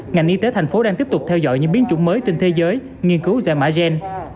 ngành y tế thành phố đang tiếp tục theo dõi những biến chủng mới trên thế giới nghiên cứu dạy mã gen